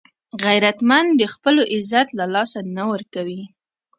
غیرتمند د خپلو عزت له لاسه نه ورکوي